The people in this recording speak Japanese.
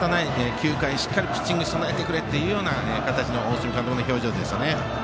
９回、しっかりピッチングに備えてくれというような大角監督の表情でしたね。